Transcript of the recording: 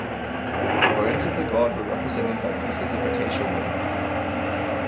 The bones of the god were represented by pieces of acacia wood.